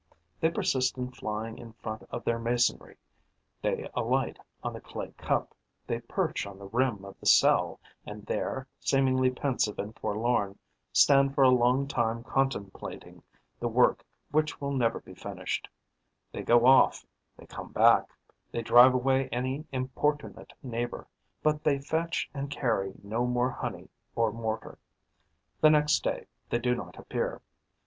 They persist in flying in front of their masonry, they alight on the clay cup, they perch on the rim of the cell and there, seemingly pensive and forlorn, stand for a long time contemplating the work which will never be finished; they go off, they come back, they drive away any importunate neighbour, but they fetch and carry no more honey or mortar. The next day, they do not appear.